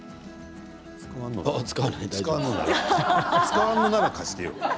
使わんなら貸してよ。